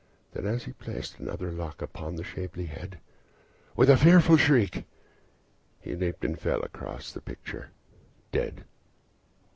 Then, as he placed another lock upon the shapely head, With a fearful shriek, he leaped and fell across the picture dead.